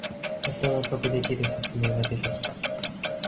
やっと納得できる説明が出てきた